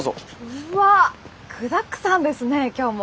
うわっ具だくさんですね今日も。